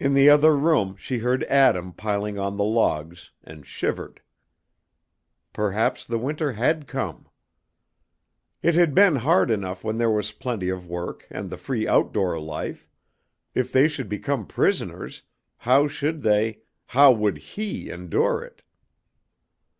In the other room she heard Adam piling on the logs, and shivered. Perhaps the winter had come. It had been hard enough when there was plenty of work, and the free outdoor life; if they should become prisoners, how should they, how would he endure it?